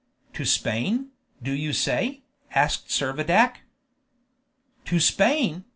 "To Spain, do you say?" asked Servadac. "To Spain!"